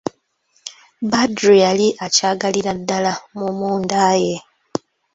Badru yali akyagalira ddala mu munda ye.